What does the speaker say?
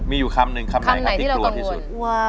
มีอยู่คำหนึ่งคำไหนครับที่กลัวที่สุด